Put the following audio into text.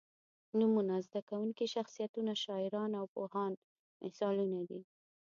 نومونه، زده کوونکي، شخصیتونه، شاعران او پوهان مثالونه دي.